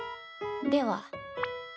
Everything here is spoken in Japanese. では。